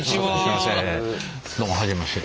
どうも初めまして。